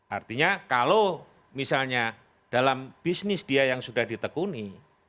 artinya kalau misalnya dalam bisnis dia yang sudah ditekuni